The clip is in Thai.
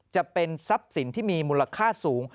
จะเป็นทรัพย์สินที่มีมูลค่าสูง